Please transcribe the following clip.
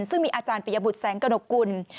ซึ่งมีอาจารย์ปริยบุตรแสงกระหนกกุล